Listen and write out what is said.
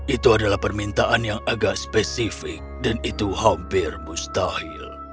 itu adalah permintaan yang agak spesifik dan itu hampir mustahil